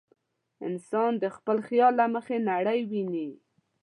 انسان د خپل خیال له مخې نړۍ ویني.